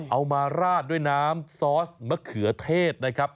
มาราดด้วยน้ำซอสมะเขือเทศนะครับ